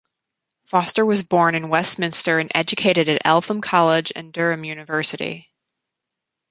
Foster was born in Westminster and educated at Eltham College and Durham University.